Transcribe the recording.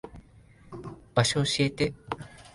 場所教えて。